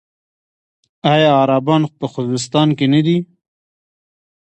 آیا عربان په خوزستان کې نه دي؟